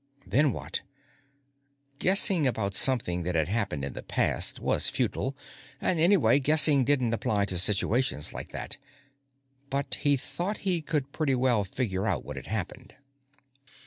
Then what? Guessing about something that had happened in the past was futile, and, anyway, guessing didn't apply to situations like that. But he thought he could pretty well figure out what had happened.